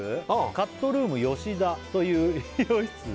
「カットルームよしだという理容室で」